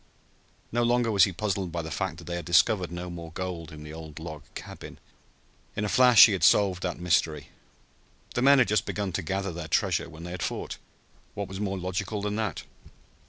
No longer was he puzzled by the fact that they had discovered no more gold in the old log cabin. In a flash he had solved that mystery. The men had just begun to gather their treasure when they had fought. What was more logical than that?